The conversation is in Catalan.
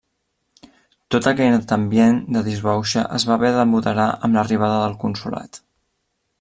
Tot aquest ambient de disbauxa es va haver de moderar amb l'arribada del Consolat.